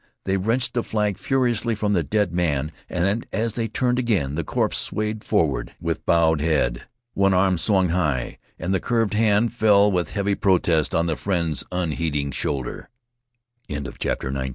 They wrenched the flag furiously from the dead man, and, as they turned again, the corpse swayed forward with bowed head. One arm swung high, and the curved hand fell with heavy protest on the friend's unheeding shoulder. CHAPTER XX.